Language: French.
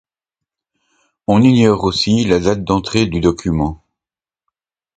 On ignore aussi la date d'entrée du document.